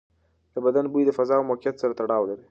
د بدن بوی د فضا او موقعیت سره تړاو لري.